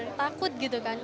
saya takut gitu kan